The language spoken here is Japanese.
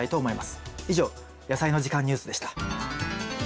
以上「やさいの時間ニュース」でした。